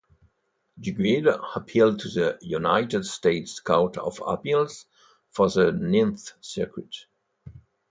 Duguid appealed to the United States Court of Appeals for the Ninth Circuit.